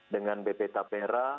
dengan bp tapera